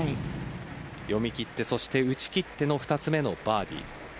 読み切って、打ち切っての２つ目のバーディー。